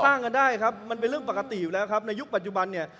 กันได้ครับมันเป็นเรื่องปกติอยู่แล้วครับในยุคปัจจุบันเนี่ย